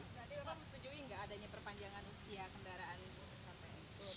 jadi lo bang setuju nggak adanya perpanjangan usia kendaraan itu sampai sepuluh tahun